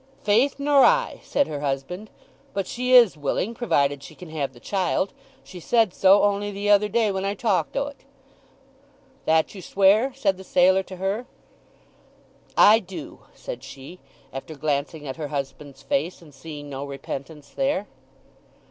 "Faith, nor I," said her husband. "But she is willing, provided she can have the child. She said so only the other day when I talked o't!" "That you swear?" said the sailor to her. "I do," said she, after glancing at her husband's face and seeing no repentance there.